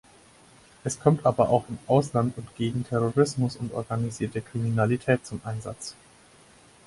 Es kommt aber auch im Ausland und gegen Terrorismus und organisierte Kriminalität zum Einsatz.